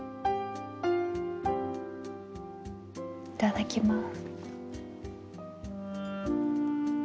いただきます。